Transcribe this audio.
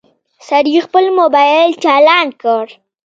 سړي خپل موبايل چالان کړ.